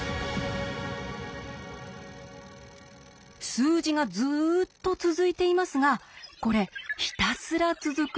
数字がずっと続いていますがこれひたすら続く１つの素数なんです。